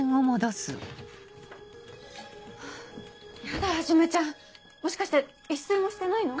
やだはじめちゃんもしかして一睡もしてないの？